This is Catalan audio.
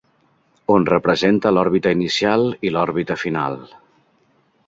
On representa l'òrbita inicial i l'òrbita final.